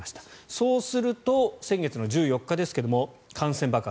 そうすると、先月の１４日ですが感染爆発。